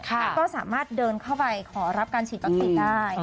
ก็สามารถเดินเข้าไปขอรับการฉีดวัคซีนได้